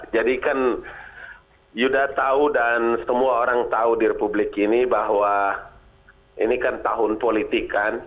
jadi kan yudha tahu dan semua orang tahu di republik ini bahwa ini kan tahun politik kan